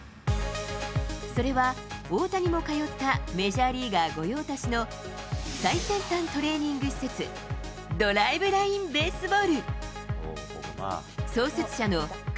それは大谷も通ったメジャーリーガー御用達の最先端トレーニング施設、ドライブライン・ベースボール。